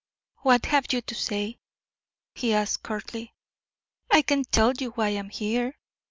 "What have you to say?" he asked, curtly. "I can tell you why I am here.